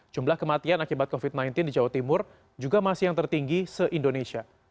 jumlah kematian akibat covid sembilan belas di jawa timur juga masih yang tertinggi se indonesia